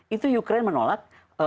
itu ukraine menolak